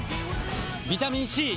ビタミン Ｃ！